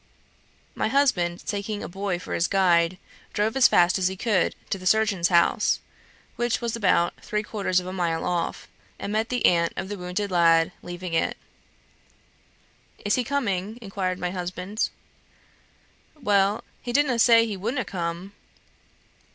My husband taking a boy for his guide, drove as fast as he could to the surgeon's house, which was about three quarters of a mile off, and met the aunt of the wounded lad leaving it. "Is he coming?" inquired my husband. "Well, he didna' say he wouldna' come."